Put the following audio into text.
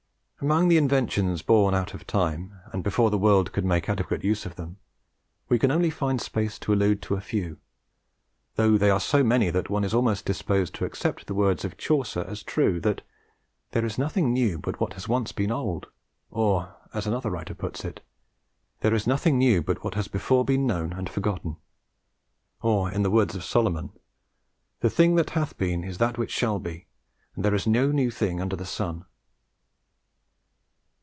Among the inventions born out of time, and before the world could make adequate use of them, we can only find space to allude to a few, though they are so many that one is almost disposed to accept the words of Chaucer as true, that "There is nothing new but what has once been old;" or, as another writer puts it, "There is nothing new but what has before been known and forgotten;" or, in the words of Solomon, "The thing that hath been is that which shall be, and there is no new thing under the sun."